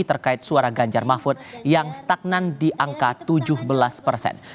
terkait suara ganjar mahfud yang stagnan di angka tujuh belas persen